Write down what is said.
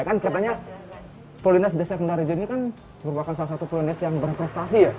ya kan katanya polindes desa kendal rejo ini kan merupakan salah satu polindes yang berprestasi ya